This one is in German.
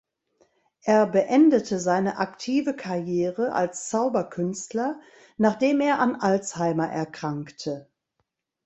Er beendete seine aktive Karriere als Zauberkünstler nachdem er an Alzheimer erkrankte.